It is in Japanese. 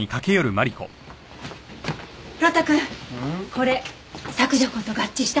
これ索条痕と合致した？